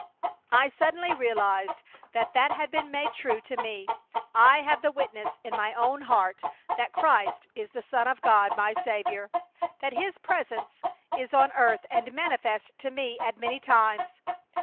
I suddenly realized that that had been made true to me. I have the witness in my own heart that Christ is the Son of God, my Saviour! That His Presence is on earth and manifest to me at many times.